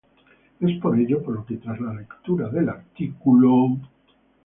es por ello por lo que tras la lectura del artículo